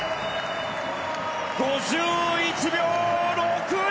５１秒６０！